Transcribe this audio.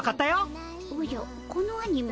おじゃこのアニメ